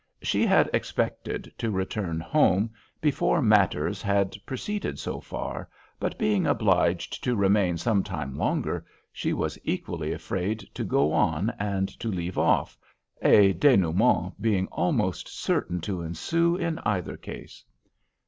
She had expected to return home before matters had proceeded so far, but being obliged to remain some time longer, she was equally afraid to go on and to leave off, a dénouement being almost certain to ensue in either case.